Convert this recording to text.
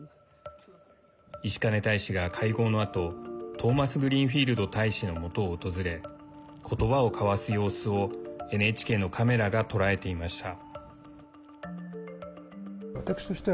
石兼大使が会合のあとトーマスグリーンフィールド大使の元を訪れことばを交わす様子をＮＨＫのカメラが捉えていました。